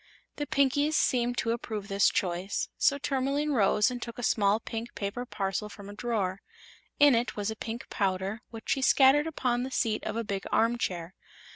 The Pinkies seemed to approve this choice, so Tourmaline rose and took a small pink paper parcel from a drawer. In it was a pink powder which she scattered upon the seat of a big armchair.